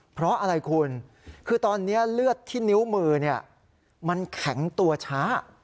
เพราะอะไรคุณคือตอนนี้เลือดที่นิ้วมือมันแข็งตัวช้า